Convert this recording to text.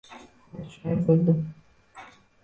Xuddi shunday bo`ldi